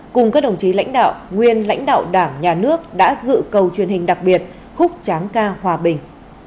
cùng các đồng chí lãnh đạo nguyên lãnh đạo đảng nhà nước đã dự cầu truyền hình đặc biệt khúc tráng ca hòa bình